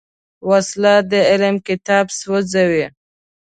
وسله د علم کتاب سوځوي